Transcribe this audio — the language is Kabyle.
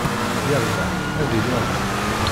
Yerbeḥ, ad iliɣ din.